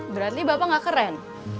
berarti bapak gak keren